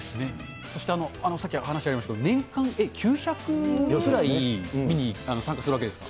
そしてさっき話ありましたけど、年間９００ぐらい参加するんわけですか？